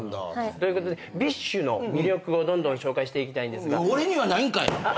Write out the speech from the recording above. ということでＢｉＳＨの魅力をどんどん紹介していきたいんですが。